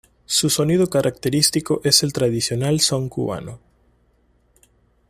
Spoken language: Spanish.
Su sonido característico es el tradicional son cubano.